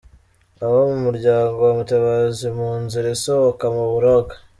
Abo mu muryango wa Mutabazi mu nzira isohoka mu buroko.